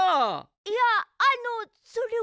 いやあのそれは。